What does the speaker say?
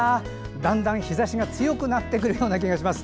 だんだん日ざしが強くなってくるような気がします。